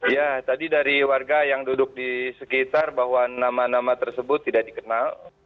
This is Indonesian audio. ya tadi dari warga yang duduk di sekitar bahwa nama nama tersebut tidak dikenal